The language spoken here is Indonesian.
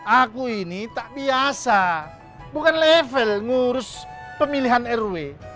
aku ini tak biasa bukan level ngurus pemilihan rw